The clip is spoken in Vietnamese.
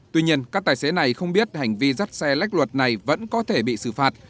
tuy nhiên các tài xế này không biết hành vi dắt xe lách luật này vẫn có thể bị xử phạt